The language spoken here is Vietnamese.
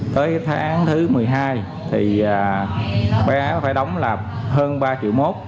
tới tháng thứ một mươi hai thì bây giờ phải đóng là hơn ba một triệu đồng